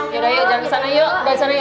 yaudah jangan kesana